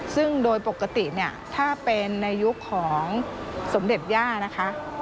ซึ่งโดยปกติเนี่ยถ้าเป็นในยุคของสมเด็จย่านะคะ